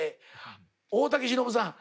大竹しのぶさん